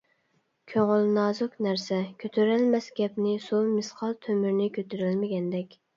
كۆڭۈل نازۇك نەرسە، كۆتۈرەلمەس گەپنى سۇ مىسقال تۆمۈرنى كۆتۈرەلمىگەندەك.